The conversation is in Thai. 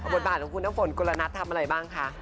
บทบาทของคุณน้ำฝนกลนัททำอะไรบ้างคะ